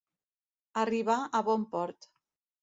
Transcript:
Arribar a bon port.